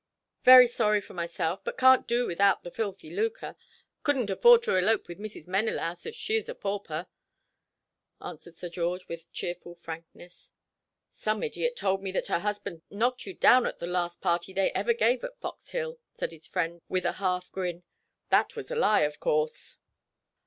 "Very sorry for myself, but can't do without the filthy lucre. Couldn't afford to elope with Mrs. Menelaus, if she was a pauper," answered Sir George, with cheery frankness. "Some idiot told me that her husband knocked you down at the last party they ever gave at Fox Hill," said his friend, with a half grin; "that was a lie, of course."